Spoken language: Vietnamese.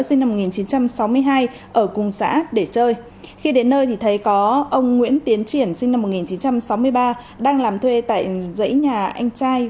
sinh năm một nghìn chín trăm sáu mươi hai ở cùng xã để chơi khi đến nơi thì thấy có ông nguyễn tiến triển sinh năm một nghìn chín trăm sáu mươi ba đang làm thuê tại dãy nhà anh trai